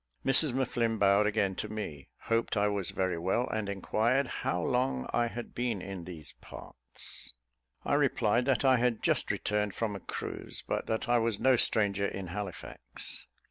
Mrs M'Flinn bowed again to me, hoped I was very well, and inquired "how long I had been in these parts." I replied that I had just returned from a cruise, but that I was no stranger in Halifax.